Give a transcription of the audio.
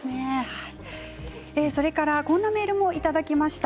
こんなメールもいただきました。